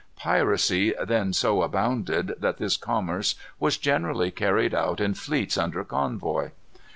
Piracy then so abounded that this commerce was generally carried on in fleets under convoy.